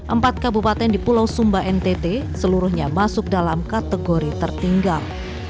empat kabupaten di pulau sumba ntt seluruhnya masuk dalam kategori tertinggal